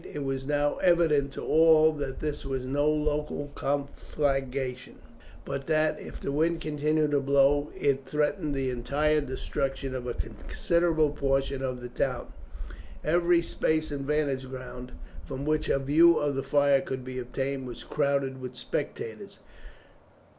It was now evident to all that this was no local conflagration, but that, if the wind continued to blow, it threatened the entire destruction of a considerable portion of the town. Every space and vantage ground from which a view of the fire could be obtained was crowded with spectators.